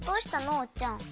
おうちゃん。